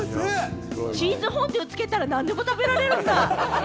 チーズフォンデュつけたら何でも食べられるんだ！